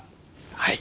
はい。